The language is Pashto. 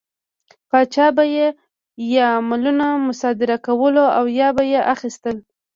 پاچا به یې یا مالونه مصادره کول او یا به یې اخیستل.